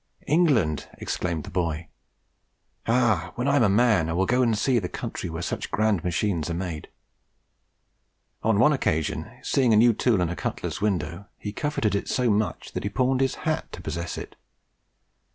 "England!" exclaimed the boy, "ah! when I am a man I will go see the country where such grand machines are made!" On one occasion, seeing a new tool in a cutler's window, he coveted it so much that he pawned his hat to possess it.